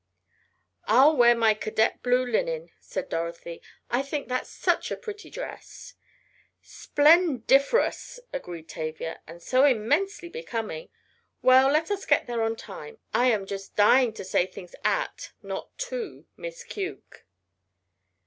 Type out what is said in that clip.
"I'll wear my cadet blue linen," said Dorothy, "I think that such a pretty dress." "Splendiferous!" agreed Tavia, "and so immensely becoming. Well, let us get there on time. I am just dying to say things at, not to, Miss Cuke."